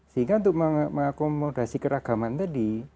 sehingga untuk mengakomodasi keragaman tadi